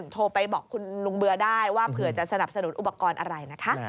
โทรไปบอกคุณลุงเบื่อได้ว่าเผื่อจะสนับสนุนอุปกรณ์อะไรนะคะ